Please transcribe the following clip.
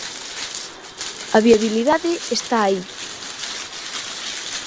A viabilidade está aí.